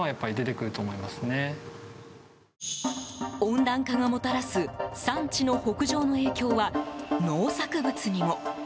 温暖化がもたらす産地の北上の影響は、農作物にも。